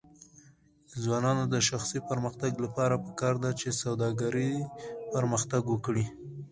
د ځوانانو د شخصي پرمختګ لپاره پکار ده چې سوداګري پرمختګ ورکړي.